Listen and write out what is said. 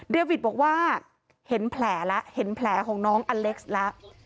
วิทบอกว่าเห็นแผลแล้วเห็นแผลของน้องอเล็กซ์แล้ว